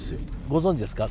ご存じですか？